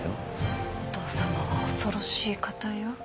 お父さまは恐ろしい方よ。